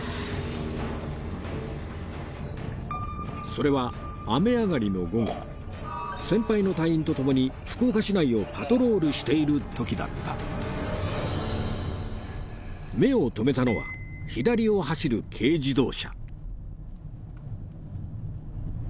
それは雨上がりの午後先輩の隊員とともに福岡市内をパトロールしている時だった目をとめたのは左を走る軽自動車